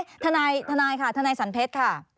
เอ๊ะทนายทนายค่ะทนายสันเพชรค่ะ